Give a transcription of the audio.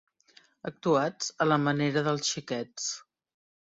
Actuats a la manera dels xiquets.